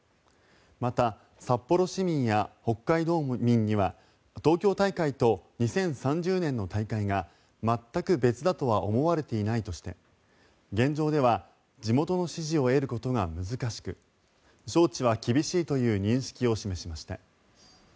また、札幌市民や北海道民には東京大会と２０３０年の大会が全く別だとは思われていないとして現状では地元の支持を得ることが難しく招致は厳しいという認識を示しました。